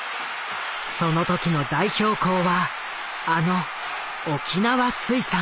その時の代表校はあの沖縄水産。